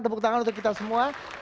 tepuk tangan untuk kita semua